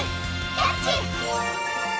キャッチ！